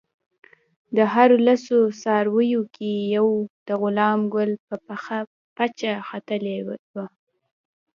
د هرو لسو څارویو کې یو د غلام ګل په پخه پچه ختلی وو.